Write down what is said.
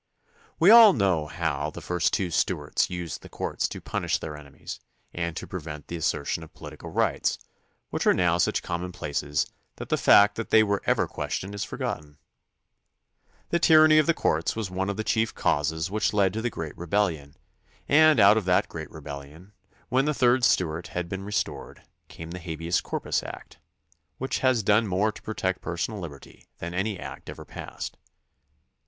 We all know how the first two Stuarts used the courts to punish their enemies and to prevent the as sertion of political rights, which are now such common places that the fact that they were ever questioned is forgotten. The tyranny of the courts was one of the chief causes which led to the great rebellion, and out of that great rebellion, when the third Stuart had been restored, came the habeas corpus act, which has done more to protect personal liberty than any act ever passed.